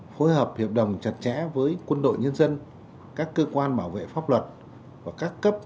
phối hợp hiệp đồng chặt chẽ với quân đội nhân dân các cơ quan bảo vệ pháp luật và các cấp